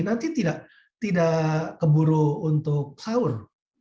nanti tidak keburu untuk sahur